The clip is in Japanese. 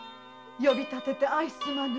呼び立ててすまぬ。